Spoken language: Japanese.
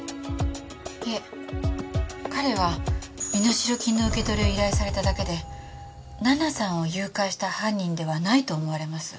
いえ彼は身代金の受け取りを依頼されただけで奈々さんを誘拐した犯人ではないと思われます。